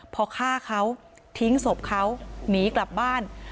พอฆ่าเขาทิ้งศพเขาหนีกลับบ้าน